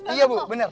iya ibu bener